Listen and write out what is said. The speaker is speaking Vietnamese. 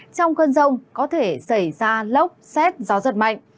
trong cơn rông có thể xảy ra lốc xét gió giật mạnh